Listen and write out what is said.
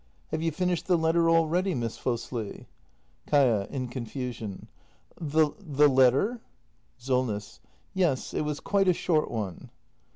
] Have you finished the letter already, Miss Fosli ? Kaia. [I?i confusion.] The letter ? Solness. Yes, it was quite a short one.